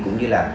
cũng như là